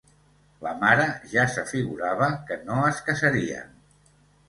La mare ja s'afigurava que no es casarien.